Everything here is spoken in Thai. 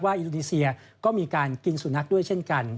อินโดนีเซียก็มีการกินสุนัขด้วยเช่นกัน